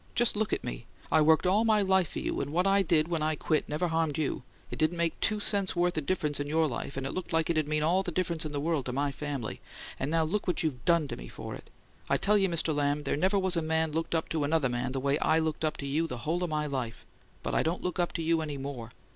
Just look at me: I worked all my life for you, and what I did when I quit never harmed you it didn't make two cents' worth o' difference in your life and it looked like it'd mean all the difference in the world to my family and now look what you've DONE to me for it! I tell you, Mr. Lamb, there never was a man looked up to another man the way I looked up to you the whole o' my life, but I don't look up to you any more!